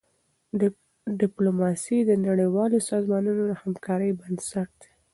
ډيپلوماسي د نړیوالو سازمانونو د همکارۍ بنسټ دی.